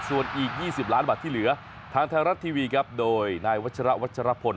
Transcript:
ส่วนอีก๒๐ล้านบาทที่เหลือทางไทยรัฐทีวีครับโดยนายวัชระวัชรพล